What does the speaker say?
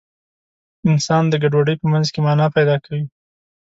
انسان د ګډوډۍ په منځ کې مانا پیدا کوي.